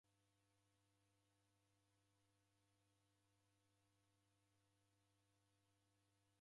Dedemzera udipoisire ando kow'ika vadu